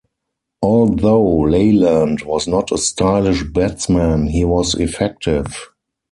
Although Leyland was not a stylish batsman, he was effective.